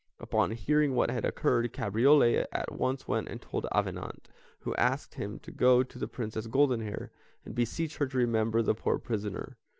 Upon hearing what had occurred, Cabriole at once went and told Avenant, who asked him to go to the Princess Goldenhair and beseech her to remember the poor prisoner.